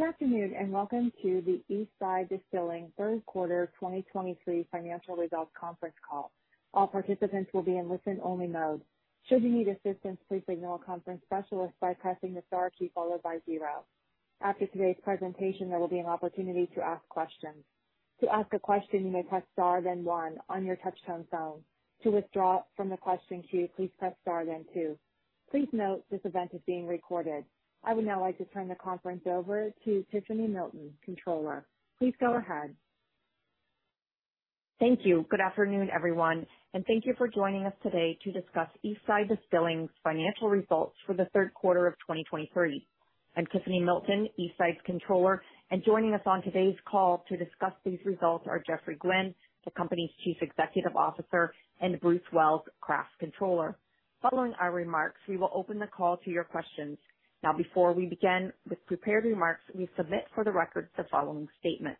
Good afternoon, and welcome to the Eastside Distilling third quarter 2023 financial results conference call. All participants will be in listen-only mode. Should you need assistance, please signal a conference specialist by pressing the star key followed by zero. After today's presentation, there will be an opportunity to ask questions. To ask a question, you may press star then one on your touchtone phone. To withdraw from the question queue, please press star then two. Please note, this event is being recorded. I would now like to turn the conference over to Tiffany Milton, Controller. Please go ahead. Thank you. Good afternoon, everyone, and thank you for joining us today to discuss Eastside Distilling's financial results for the third quarter of 2023. I'm Tiffany Milton, Eastside's Controller, and joining us on today's call to discuss these results are Geoffrey Gwin, the company's Chief Executive Officer, and Bruce Wells, Craft Controller. Following our remarks, we will open the call to your questions. Now, before we begin with prepared remarks, we submit for the record the following statement.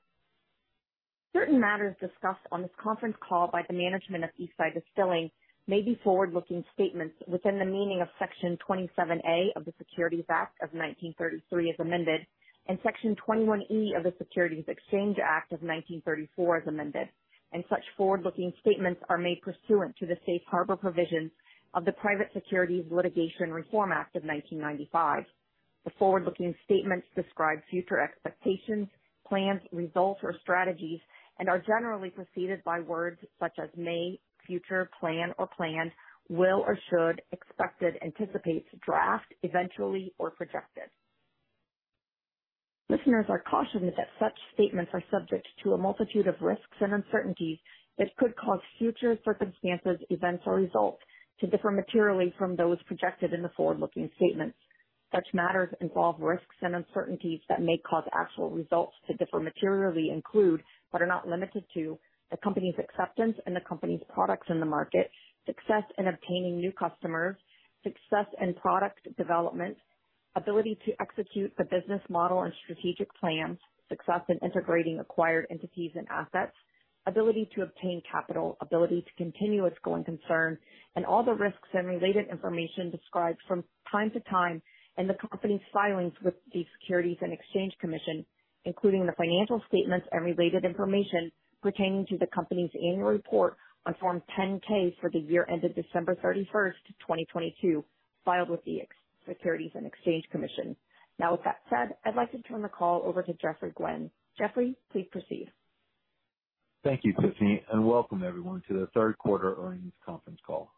Certain matters discussed on this conference call by the management of Eastside Distilling may be forward-looking statements within the meaning of Section 27A of the Securities Act of 1933, as amended, and Section 21E of the Securities Exchange Act of 1934, as amended, and such forward-looking statements are made pursuant to the safe harbor provisions of the Private Securities Litigation Reform Act of 1995. The forward-looking statements describe future expectations, plans, results, or strategies and are generally preceded by words such as may, future, plan or plan, will or should, expected, anticipate, draft, eventually, or projected. Listeners are cautioned that such statements are subject to a multitude of risks and uncertainties that could cause future circumstances, events, or results to differ materially from those projected in the forward-looking statements. Such matters involve risks and uncertainties that may cause actual results to differ materially include, but are not limited to, the company's acceptance and the company's products in the market, success in obtaining new customers, success in product development, ability to execute the business model and strategic plans, success in integrating acquired entities and assets, ability to obtain capital, ability to continue its going concern, and all the risks and related information described from time to time in the company's filings with the Securities and Exchange Commission, including the financial statements and related information pertaining to the company's annual report on Form 10-K for the year ended December 31, 2022, filed with the Securities and Exchange Commission. Now, with that said, I'd like to turn the call over to Geoffrey Gwin. Geoffrey, please proceed. Thank you, Tiffany, and welcome everyone to the third quarter earnings conference call.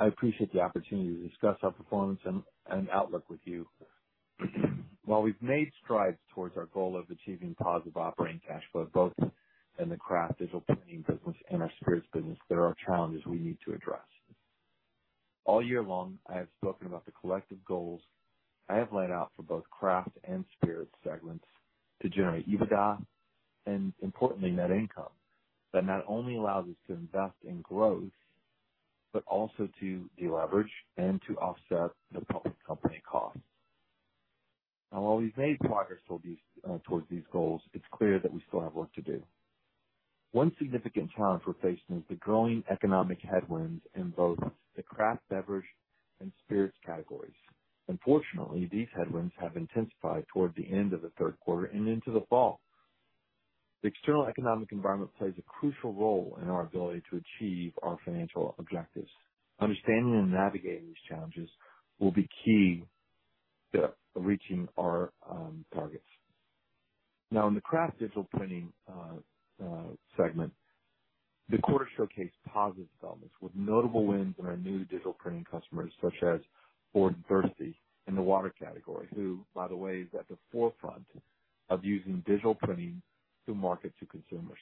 I appreciate the opportunity to discuss our performance and outlook with you. While we've made strides towards our goal of achieving positive operating cash flow, both in the Craft digital printing business and our Spirits business, there are challenges we need to address. All year long, I have spoken about the collective goals I have laid out for both Craft and Spirits segments to generate EBITDA and importantly, net income, that not only allows us to invest in growth, but also to deleverage and to offset the public company costs. Now, while we've made progress toward these goals, it's clear that we still have work to do. One significant challenge we're facing is the growing economic headwinds in both the Craft beverage and Spirits categories. Unfortunately, these headwinds have intensified toward the end of the third quarter and into the fall. The external economic environment plays a crucial role in our ability to achieve our financial objectives. Understanding and navigating these challenges will be key to reaching our targets. Now, in the Craft Digital Printing segment, the quarter showcased positive developments, with notable wins in our new Digital Printing customers, such as Born Thirsty in the water category, who, by the way, is at the forefront of using Digital Printing to market to consumers.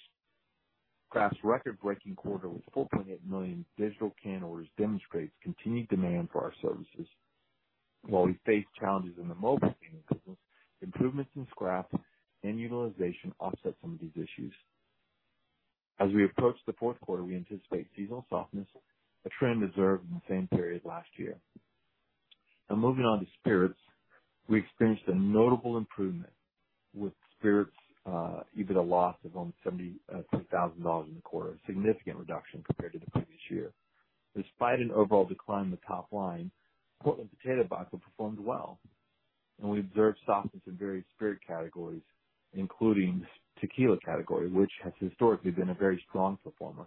Craft's record-breaking quarter with 4.8 million digital can orders demonstrates continued demand for our services. While we face challenges in the Mobile Printing business, improvements in scrap and utilization offset some of these issues. As we approach the fourth quarter, we anticipate seasonal softness, a trend observed in the same period last year. Now, moving on to Spirits, we experienced a notable improvement with Spirits, EBITDA loss of only $73,000 in the quarter, a significant reduction compared to the previous year. Despite an overall decline in the top line, Portland Potato Vodka performed well, and we observed softness in various Spirits categories, including the tequila category, which has historically been a very strong performer.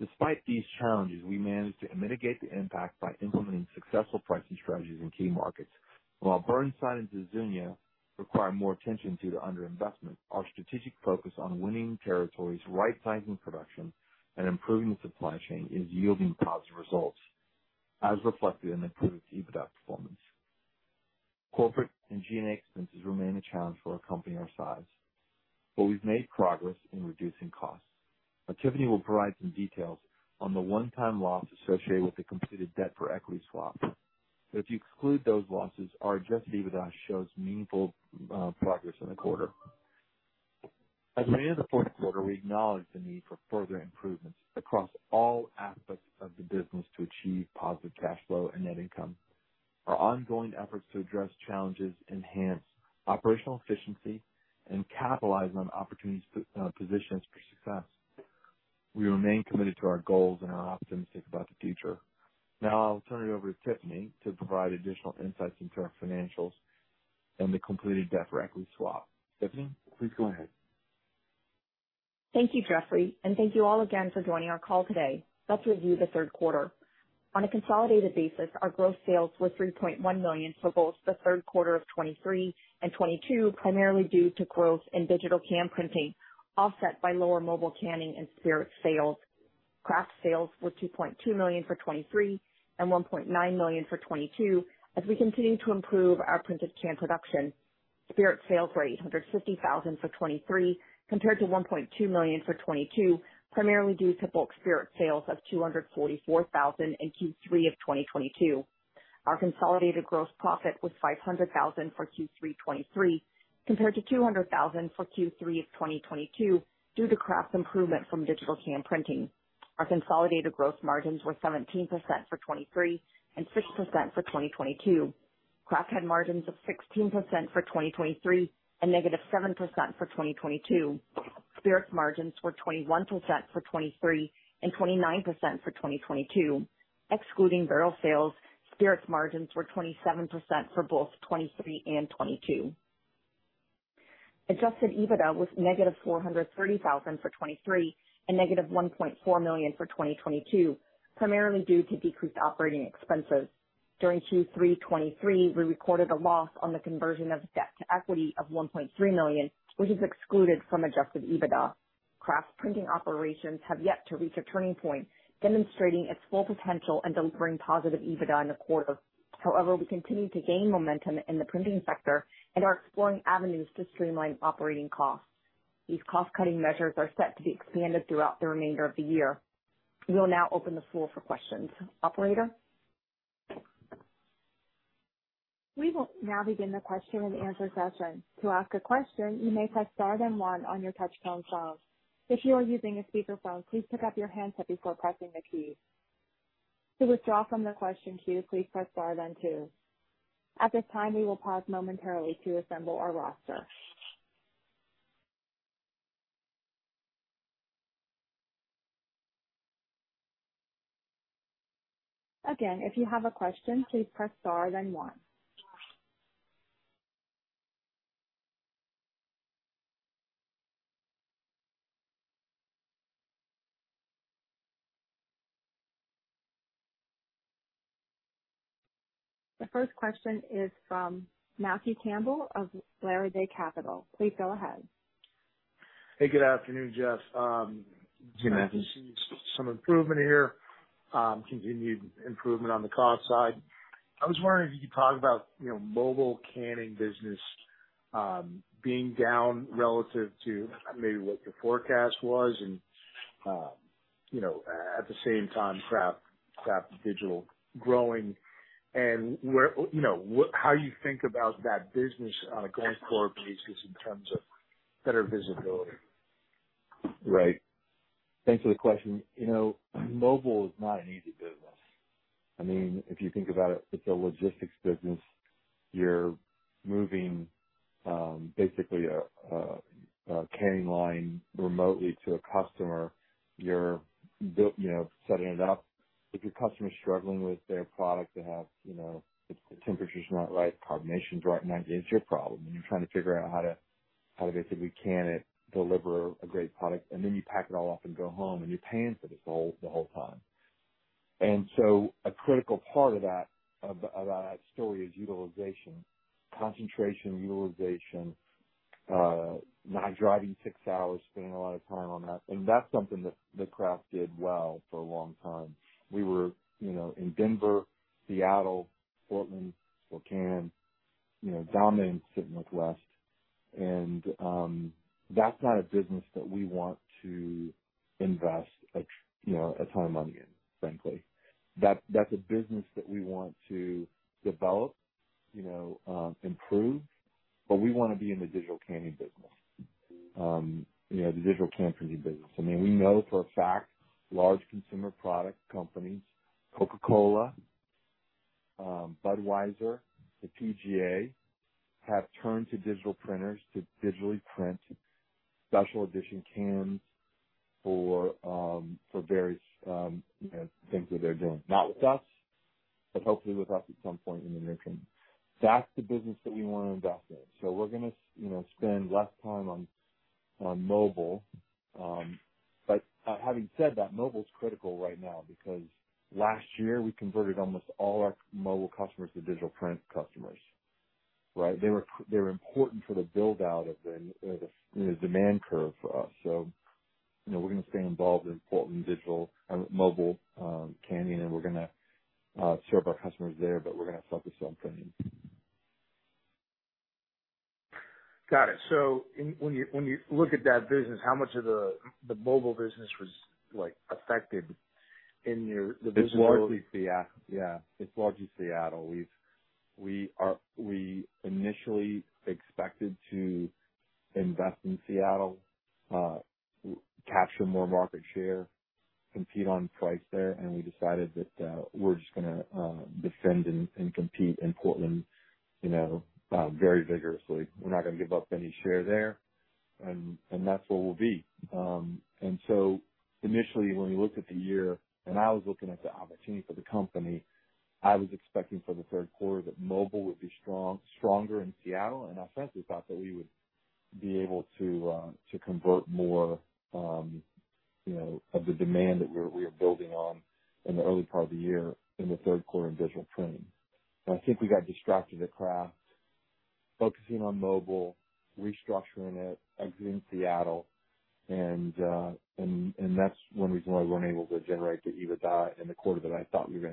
Despite these challenges, we managed to mitigate the impact by implementing successful pricing strategies in key markets. While Burnside and Azuñia require more attention due to underinvestment, our strategic focus on winning territories, right-sizing production, and improving the supply chain is yielding positive results as reflected in the improved EBITDA performance. Corporate and G&A expenses remain a challenge for a company our size, but we've made progress in reducing costs. Tiffany will provide some details on the one-time loss associated with the completed debt for equity swap. But if you exclude those losses, our Adjusted EBITDA shows meaningful progress in the quarter. As we enter the fourth quarter, we acknowledge the need for further improvements across all aspects of the business to achieve positive cash flow and net income. Our ongoing efforts to address challenges, enhance operational efficiency, and capitalize on opportunities, positions for success. We remain committed to our goals and are optimistic about the future. Now I'll turn it over to Tiffany to provide additional insights into our financials and the completed debt-equity swap. Tiffany, please go ahead. Thank you, Geoffrey, and thank you all again for joining our call today. Let's review the third quarter. On a consolidated basis, our gross sales were $3.1 million for both the third quarter of 2023 and 2022, primarily due to growth in Digital Can Printing, offset by lower Mobile Canning and Spirits sales. Craft sales were $2.2 million for 2023 and $1.9 million for 2022, as we continue to improve our printed can production. Spirits sales were $850,000 for 2023, compared to $1.2 million for 2022, primarily due to bulk Spirits sales of $244,000 in Q3 of 2022. Our consolidated gross profit was $500,000 for Q3 2023, compared to $200,000 for Q3 of 2022, due to Craft improvement from Digital Can Printing. Our consolidated gross margins were 17% for 2023 and 6% for 2022. Craft had margins of 16% for 2023 and -7% for 2022. Spirits margins were 21% for 2023 and 29% for 2022. Excluding barrel sales, Spirits margins were 27% for both 2023 and 2022. Adjusted EBITDA was -$430,000 for 2023 and -$1.4 million for 2022, primarily due to decreased operating expenses. During Q3 2023, we recorded a loss on the conversion of debt to equity of $1.3 million, which is excluded from adjusted EBITDA. Craft Printing operations have yet to reach a turning point, demonstrating its full potential and delivering positive EBITDA in the quarter. However, we continue to gain momentum in the printing sector and are exploring avenues to streamline operating costs. These cost-cutting measures are set to be expanded throughout the remainder of the year. We will now open the floor for questions. Operator? We will now begin the question-and-answer session. To ask a question, you may press star then one on your touchtone phone. If you are using a speakerphone, please pick up your handset before pressing the key. To withdraw from the question queue, please press star then two. At this time, we will pause momentarily to assemble our roster. Again, if you have a question, please press star then one. The first question is from Matthew Campbell of Laidlaw & Company. Please go ahead. Hey, good afternoon, Geoff. I see some improvement here, continued improvement on the cost side. I was wondering if you could talk about, you know, Mobile Canning business, being down relative to maybe what the forecast was and, you know, at the same time, Craft, Digital growing and where, you know, what... How you think about that business on a going forward basis in terms of better visibility? Right. Thanks for the question. You know, Mobile is not an easy business. I mean, if you think about it, it's a logistics business. You're moving basically a canning line remotely to a customer. You're building, you know, setting it up. If your customer is struggling with their product, they have, you know, if the temperature's not right, carbonation's right, now it's your problem, and you're trying to figure out how to basically can it, deliver a great product, and then you pack it all up and go home, and you're paying for this the whole time. So a critical part of that story is utilization. Concentration, utilization, not driving six hours, spending a lot of time on that. That's something that Craft did well for a long time. We were, you know, in Denver, Seattle, Portland, Spokane, you know, dominant in the Northwest. And that's not a business that we want to invest, you know, a ton of money in, frankly. That, that's a business that we want to develop, you know, improve, but we want to be in the digital canning business. You know, the Digital Can Printing business. I mean, we know for a fact large consumer product companies, Coca-Cola, Budweiser, the PGA, have turned to digital printers to digitally print special edition cans for various, you know, things that they're doing, not with us, but hopefully with us at some point in the near term. That's the business that we want to invest in. So we're gonna, you know, spend less time on, on Mobile. But, having said that, Mobile's critical right now because last year we converted almost all our Mobile customers to digital print customers, right? They were, they were important for the build-out of the, the demand curve for us. So, you know, we're gonna stay involved in Portland, Digital, Mobile, Canning, and we're gonna, serve our customers there, but we're gonna have to focus on printing. Got it. So when you look at that business, how much of the Mobile business was, like, affected in your- It's largely Seattle. Yeah, it's largely Seattle. We are, we initially expected to invest in Seattle, capture more market share, compete on price there, and we decided that, we're just gonna defend and compete in Portland, you know, very vigorously. We're not gonna give up any share there, and that's where we'll be. And so initially, when you looked at the year, and I was looking at the opportunity for the company, I was expecting for the third quarter that Mobile would be stronger in Seattle, and I frankly thought that we would be able to convert more, you know, of the demand that we are building on in the early part of the year, in the third quarter in Digital Printing. And I think we got distracted at Craft, focusing on Mobile, restructuring it, exiting Seattle, and that's one reason why we weren't able to generate the EBITDA in the quarter that I thought we were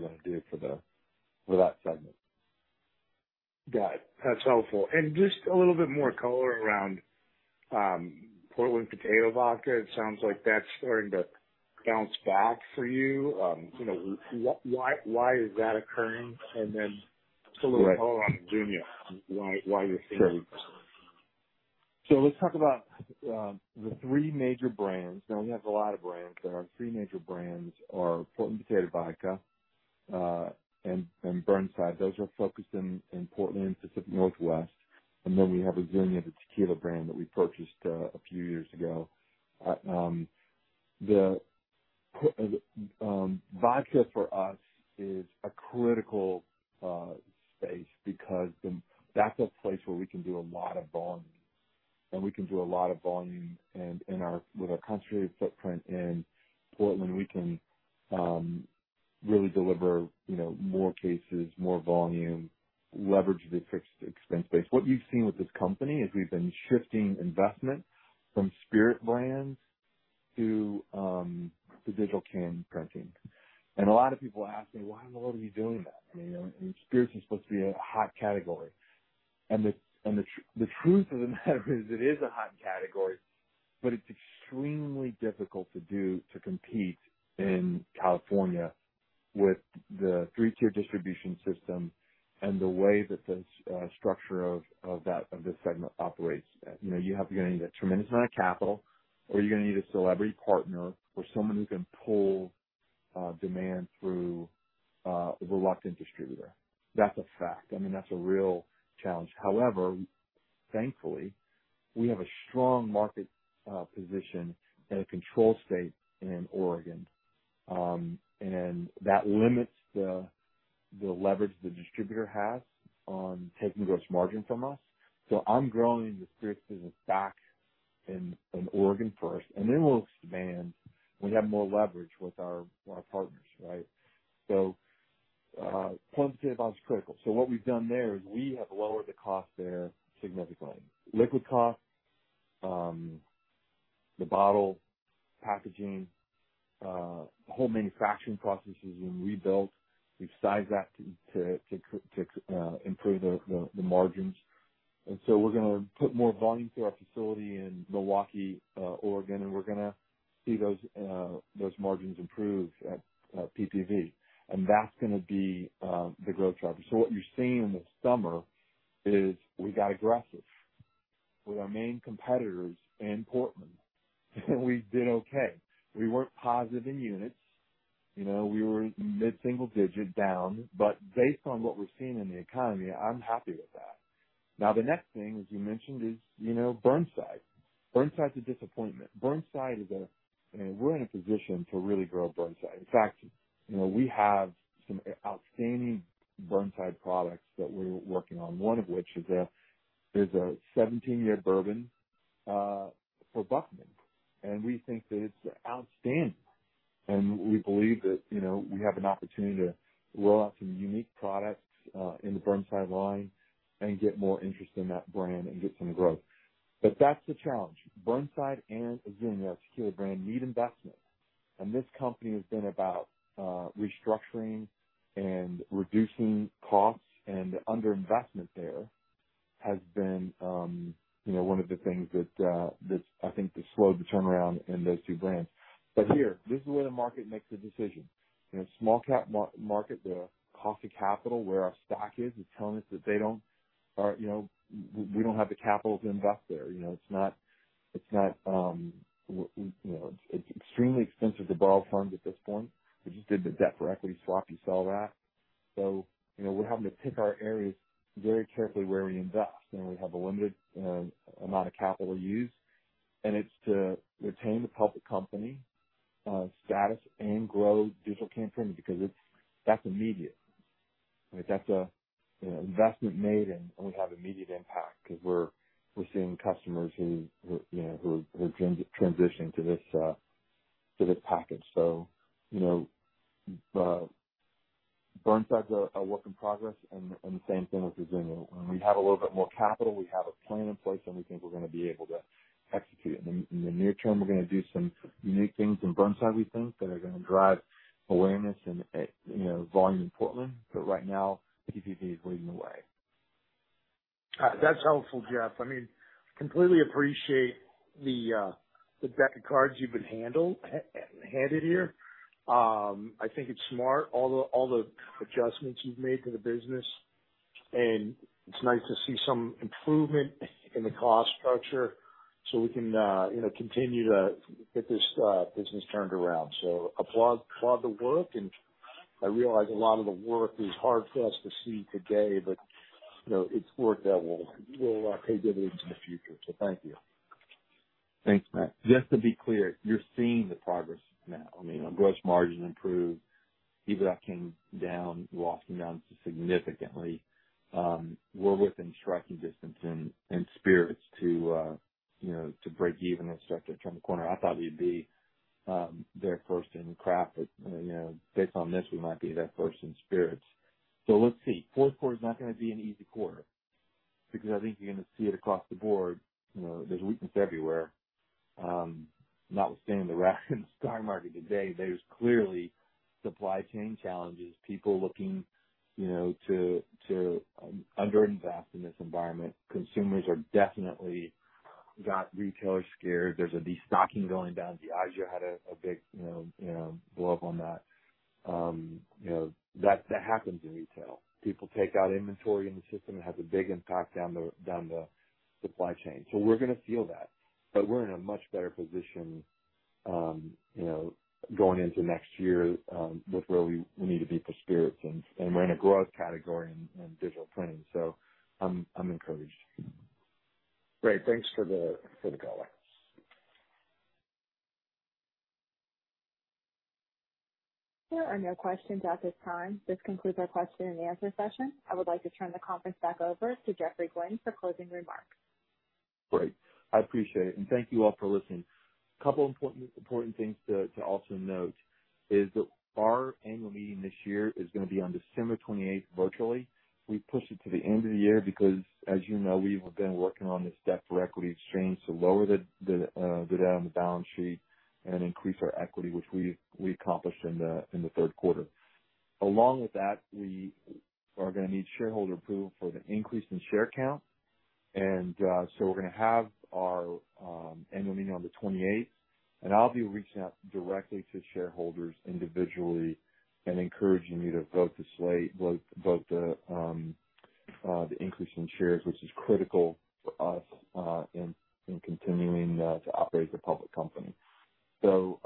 gonna do for that segment. Got it. That's helpful. And just a little bit more color around, Portland Potato Vodka. It sounds like that's starting to bounce back for you. You know, why, why is that occurring? And then a little color on Azuñia, why, why you're seeing— Sure. So let's talk about the three major brands. Now, we have a lot of brands, but our three major brands are Portland Potato Vodka and Burnside. Those are focused in Portland, Pacific Northwest, and then we have Azuñia, the tequila brand that we purchased a few years ago. The vodka for us is a critical space because that's a place where we can do a lot of volume, and we can do a lot of volume with our concentrated footprint in Portland, we can really deliver, you know, more cases, more volume, leverage the fixed expense base. What you've seen with this company is we've been shifting investment from Spirits brands to Digital Can Printing. And a lot of people ask me, Why in the world are you doing that? You know, and Spirits are supposed to be a hot category. And the truth of the matter is, it is a hot category, but it's extremely difficult to compete in California with the three-tier distribution system and the way that the structure of that, of this segment operates. You know, you have, you're gonna need a tremendous amount of capital, or you're gonna need a celebrity partner or someone who can pull demand through a reluctant distributor. That's a fact. I mean, that's a real challenge. However, thankfully, we have a strong market position in a control state in Oregon. And that limits the leverage the distributor has on taking gross margin from us. So I'm growing the Spirits business back in Oregon first, and then we'll expand when we have more leverage with our partners, right? So Portland Potato Vodka is critical. So what we've done there is we have lowered the cost there significantly. Liquid cost, the bottle, packaging, the whole manufacturing process has been rebuilt. We've sized that to improve the margins. And so we're gonna put more volume through our facility in Milwaukie, Oregon, and we're gonna see those margins improve at PPV, and that's gonna be the growth driver. So what you're seeing this summer is we got aggressive with our main competitors in Portland, and we did okay. We weren't positive in units, you know, we were mid-single digit down, but based on what we're seeing in the economy, I'm happy with that. Now, the next thing, as you mentioned, is, you know, Burnside. Burnside's a disappointment. Burnside is a... I mean, we're in a position to really grow Burnside. In fact, you know, we have some outstanding Burnside products that we're working on, one of which is a 17-year bourbon for Buckman, and we think that it's outstanding. And we believe that, you know, we have an opportunity to roll out some unique products in the Burnside line and get more interest in that brand and get some growth. But that's the challenge. Burnside and Azuñia, tequila brand, need investment, and this company has been about restructuring and reducing costs, and the underinvestment there has been, you know, one of the things that that I think has slowed the turnaround in those two brands. But here, this is where the market makes the decision. In a small cap mar- market, the cost of capital, where our stock is, is telling us that they don't... or, you know, w-we don't have the capital to invest there. You know, it's not, it's not, you know, it's extremely expensive to borrow funds at this point. We just did the debt for equity swap, you saw that. So, you know, we're having to pick our areas very carefully where we invest, and we have a limited amount of capital to use, and it's to retain the public company status and grow Digital Can Printing, because that's immediate. That's a, you know, investment made and we have immediate impact because we're seeing customers who you know who are transitioning to this package. So, you know, Burnside's a work in progress and the same thing with Azuñia. When we have a little bit more capital, we have a plan in place and we think we're gonna be able to execute it. In the near term, we're gonna do some unique things in Burnside we think, that are gonna drive awareness and, you know, volume in Portland, but right now, PPV is leading the way. That's helpful, Geoff. I mean, completely appreciate the deck of cards you've been handed here. I think it's smart, all the adjustments you've made to the business. And it's nice to see some improvement in the cost structure so we can, you know, continue to get this business turned around. So applaud the work, and I realize a lot of the work is hard for us to see today, but, you know, it's work that will pay dividends in the future. So thank you. Thanks, Matt. Just to be clear, you're seeing the progress now. I mean, our gross margin improved, EBITDA came down, walking down significantly. We're within striking distance in Spirits to, you know, to break even and start to turn the corner. I thought we'd be there first in Craft, but, you know, based on this, we might be there first in Spirits. So let's see. Fourth quarter is not gonna be an easy quarter because I think you're gonna see it across the board. You know, there's weakness everywhere. Notwithstanding the reaction in the stock market today, there's clearly supply chain challenges, people looking, you know, to under invest in this environment. Consumers are definitely got retailers scared. There's a destocking going down. Diageo had a big, you know, blow up on that. You know, that happens in retail. People take out inventory in the system, it has a big impact down the supply chain. So we're gonna feel that, but we're in a much better position, you know, going into next year, with where we need to be for Spirits and we're in a growth category in Digital Printing. So I'm encouraged. Great. Thanks for the call back. There are no questions at this time. This concludes our question-and-answer session. I would like to turn the conference back over to Geoffrey Gwin for closing remarks. Great. I appreciate it, and thank you all for listening. A couple important, important things to also note is that our annual meeting this year is gonna be on December 28th, virtually. We pushed it to the end of the year because, as you know, we've been working on this debt for equity exchange to lower the debt on the balance sheet and increase our equity, which we accomplished in the third quarter. Along with that, we are gonna need shareholder approval for the increase in share count. So we're gonna have our annual meeting on the 28th, and I'll be reaching out directly to shareholders individually and encouraging you to vote the slate, vote the increase in shares, which is critical for us in continuing to operate as a public company. So,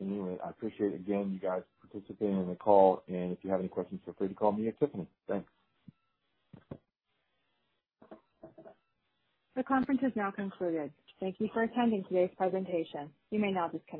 anyway, I appreciate, again, you guys participating in the call, and if you have any questions, feel free to call me at Tiffany. Thanks. The conference is now concluded. Thank you for attending today's presentation. You may now disconnect.